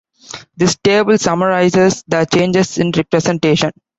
This table summarises the changes in representation.